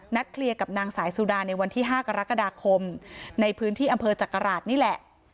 เคลียร์กับนางสายสุดาในวันที่๕กรกฎาคมในพื้นที่อำเภอจักราชนี่แหละ